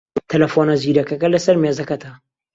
تەلەفۆنە زیرەکەکە لەسەر مێزەکەتە.